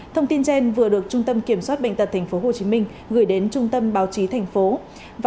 thông tin trên vừa được trung tâm kiểm soát bệnh tật tp hcm gửi đến trung tâm báo chí thành phố